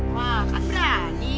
wah kan berani